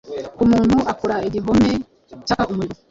Umuntu akora igihome cyaka umuriro